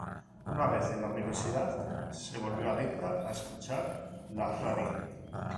Una vez en la universidad, se volvió adicta a escuchar la radio.